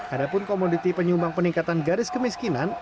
ada pun komoditi penyumbang peningkatan garis kemiskinan